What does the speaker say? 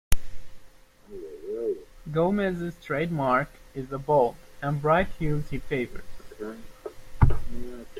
Gomez's trademark is the bold and bright hues he favors.